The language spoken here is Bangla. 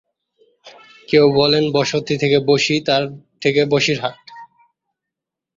কেউ বলেন বসতি থেকে বসি, তার থেকে বসিরহাট।